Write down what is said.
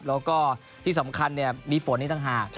แล้วก็ที่สำคัญมีฝนอีกต่างหาก